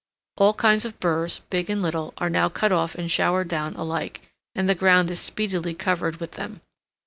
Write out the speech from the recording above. All kinds of burs, big and little, are now cut off and showered down alike, and the ground is speedily covered with them.